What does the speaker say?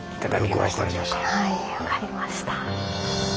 はい分かりました。